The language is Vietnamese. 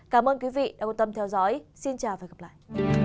cảm ơn quý vị đã quan tâm theo dõi xin chào và hẹn gặp lại